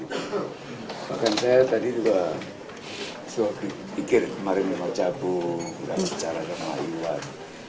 bahkan saya tadi juga suami pikir kemarin mau cabut gak ada cara gak ada mahiwat